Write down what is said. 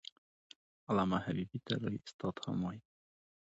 علامه حبيبي ته لوى استاد هم وايي.